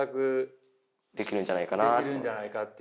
できるんじゃないかなと思って。